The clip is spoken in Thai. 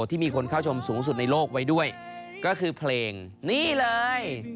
ที่มีคนเข้าชมสูงสุดในโลกไว้ด้วยก็คือเพลงนี่เลย